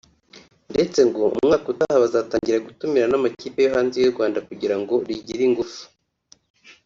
ndetse ngo umwaka utaha bazatangira gutumira n’amakipe yo hanze y’u Rwanda kugirango rigire ingufu